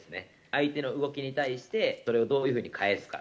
相手の動きに対して、それをどういうふうに返すか。